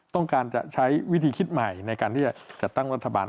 ต้องการจะใช้วิธีคิดใหม่ในการที่จะจัดตั้งรัฐบาล